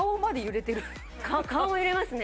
顔も揺れますね。